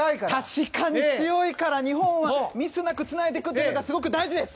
確かに強いから日本はミスなくつなぐことがすごく大事です。